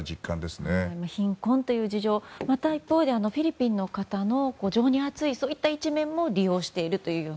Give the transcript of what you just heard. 貧困という事情また一方でフィリピンの方の情に厚いそういった一面も利用しているというような。